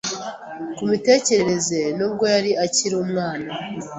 ku mitekerereze n’ubwo yari akiri umwana.